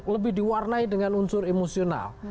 lebih diwarnai dengan unsur emosional